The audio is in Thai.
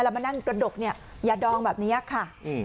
แล้วมานั่งกระดกเนี่ยอย่าดองแบบนี้ค่ะ